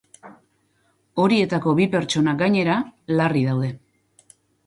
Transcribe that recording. Horietako bi pertsona, gainera, larri daude.